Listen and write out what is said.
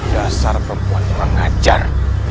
dasar perempuan orang ajar